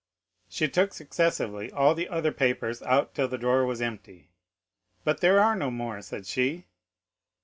She took successively all the other papers out till the drawer was empty. "But there are no more," said she.